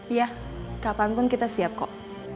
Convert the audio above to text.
iya kapanpun kita siap kok